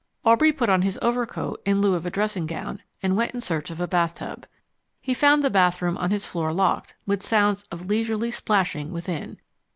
Aubrey put on his overcoat in lieu of a dressing gown, and went in search of a bathtub. He found the bathroom on his floor locked, with sounds of leisurely splashing within.